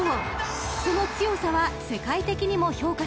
［その強さは世界的にも評価されています］